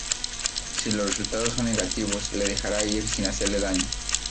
Si los resultados son negativos, le dejará ir sin hacerle daño.